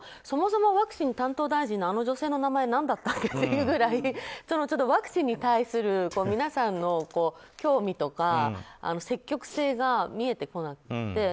そもそもワクチン担当大臣のあの女性の名前何だったっけというぐらいワクチンに対する皆さんの興味とか積極性が見えてこなくて。